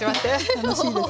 楽しいですね。